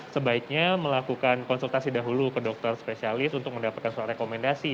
sebaiknya melakukan konsultasi dahulu ke dokter spesialis untuk mendapatkan surat rekomendasi